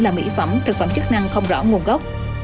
là mỹ phẩm thực phẩm chức năng không rõ nguồn gốc